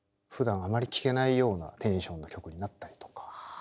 ふだんあまり聴けないようなテンションの曲になったりとか。